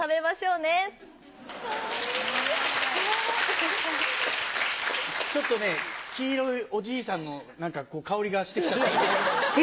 ・かわいい・ちょっとね黄色いおじいさんの香りがして来ちゃった。